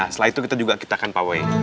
setelah itu kita juga kitakan pawai